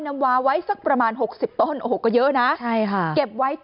นำวาไว้สักประมาณ๖๐ต้นโอ้โหก็เยอะนะใช่ค่ะเก็บไว้